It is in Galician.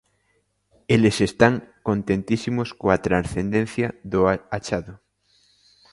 Eles están contentísimos coa transcendencia do achado.